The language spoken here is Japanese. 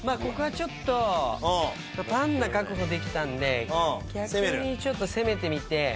ここはちょっとパンダ確保できたんで逆にちょっと攻めてみて。